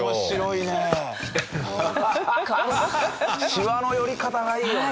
シワの寄り方がいいよね。